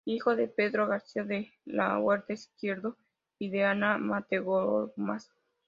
Hijo de Pedro García de la Huerta Izquierdo y de Ana Matte Gormaz.